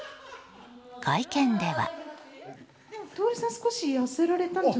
会見では。